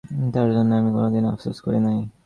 তার জন্য আমি কোনোদিন আফসোস করি নাই।